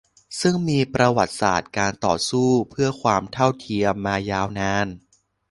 ซึ่งมีประวัติศาสตร์การต่อสู้เพื่อความเท่าเทียมมายาวนาน